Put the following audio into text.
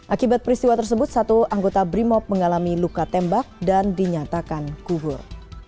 akibat peristiwa tersebut satu anggota brimob mengalami luka tembak dan dinyatakan kubur